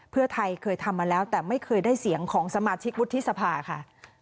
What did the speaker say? เพื่อไทยเคยทำมาแล้วแต่ไม่เคยได้เสียงของสมาชิกวุฒิสภาค่ะ